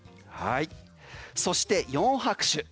そして四拍手。